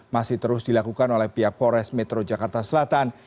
masih terus dilakukan oleh pihak pores metro jakarta selatan